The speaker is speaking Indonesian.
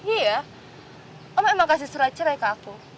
iya om emang kasih surat cerai ke aku